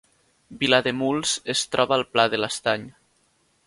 Vilademuls es troba al Pla de l’Estany